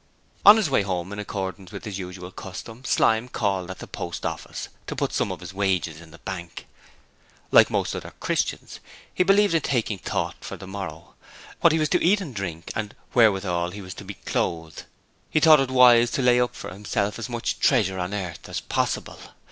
On his way home, in accordance with his usual custom, Slyme called at the Post Office to put some of his wages in the bank. Like most other 'Christians', he believed in taking thought for the morrow, what he should eat and drink and wherewithal he was to be clothed. He thought it wise to layup for himself as much treasure upon earth as possible.